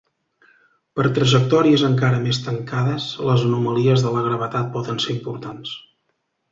Per trajectòries encara més tancades, les anomalies de la gravetat poden ser importants.